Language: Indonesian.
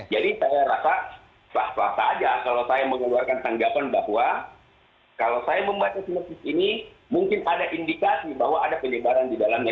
jadi saya rasa bahasa aja kalau saya mengeluarkan tanggapan bahwa kalau saya membaca sinopsis ini mungkin ada indikasi bahwa ada penyebaran di dalamnya